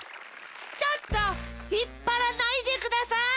ちょっとひっぱらないでください！